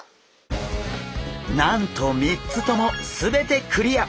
なんと３つとも全てクリア！